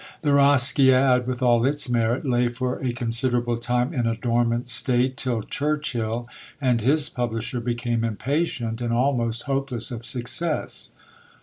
The Rosciad, with all its merit, lay for a considerable time in a dormant state, till Churchill and his publisher became impatient, and almost hopeless of success.